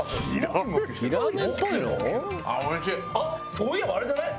そういえばあれじゃねえ？